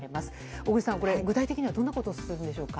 小栗さん、具体的にはどういうことをするんでしょうか。